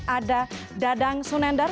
ada dadang sunendar